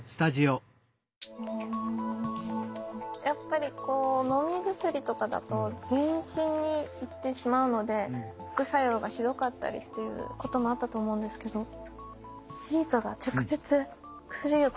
やっぱりこう飲み薬とかだと全身に行ってしまうので副作用がひどかったりっていうこともあったと思うんですけど。